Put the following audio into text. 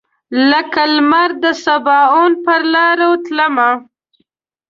لکه لمر دسباوون پر لاروتلمه